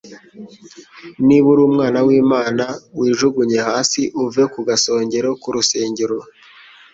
Niba uri Umwana w'Imana, wijugunye hasi uvuye ku gasongero k'urusengero.